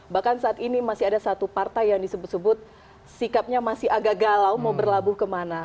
bahkan saat ini masih ada satu partai yang disebut sebut sikapnya masih agak galau mau berlabuh kemana